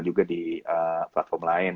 juga di platform lain